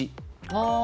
ああ！